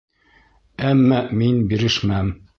Әммә мин бирешмәм!